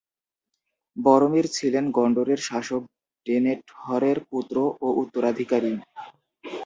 বরোমির ছিলেন গন্ডরের শাসক ডেনেটহরের পুত্র ও উত্তরাধিকারী।